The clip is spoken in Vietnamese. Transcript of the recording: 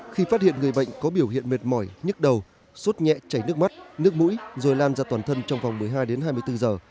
khi phát hiện người bệnh có biểu hiện mệt mỏi nhức đầu sốt nhẹ chảy nước mắt nước mũi rồi lan ra toàn thân trong vòng một mươi hai đến hai mươi bốn giờ